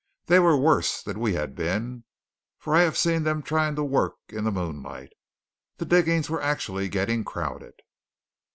They were worse than we had been; for I have seen them trying to work in the moonlight! The diggings were actually getting crowded.